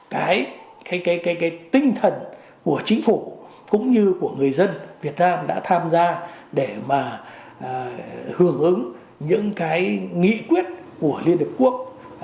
cái tinh thần của chính phủ cũng như của người dân việt nam đã tham gia để mà hưởng ứng những cái nghị quyết của liên hợp quốc